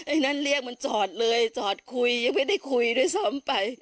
ไอ้นั่นเรียกมันจอดเลยจอดคุยยังไม่ได้คุยด้วยซ้ำไป